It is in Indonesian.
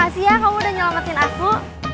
makasih ya kamu udah nyelametin aku